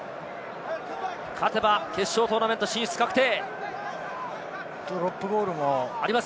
勝てば決勝トーナメント進出確定。